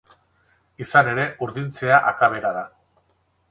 Izan ere, urdintzea akabera da.